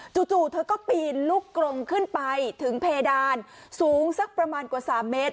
จู่เธอก็ปีนลูกกรมขึ้นไปถึงเพดานสูงสักประมาณกว่า๓เมตร